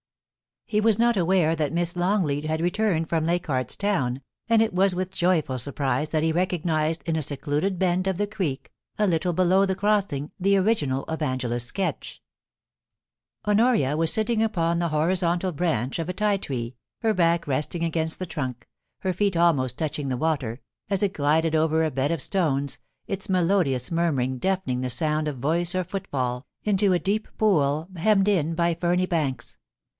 He was not aware that Miss Longleat had returned from Leichardt's Town, and it was with joyful surprise that he recognised in a secluded bend of the creek, a little below the crossing, the original of Angela's sketch. THE DRYAD OF THE TI TREE. 151 Honoria was sitting upon the horizontal branch of a ti tree, her back resting against the trunk, her feet almost touching the water, as it glided over a bed of stones, its melodious murmuring deafening the sound of voice or foot fall, into a deep pool hemmed in by ferny banks.